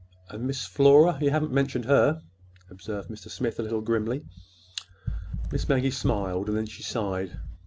"And Miss Flora? You haven't mentioned her," observed Mr. Smith, a little grimly. Miss Maggie smiled; then she sighed.